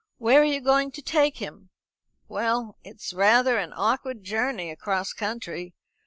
"Where are you going to take him?" "Well, it's rather an awkward journey across country.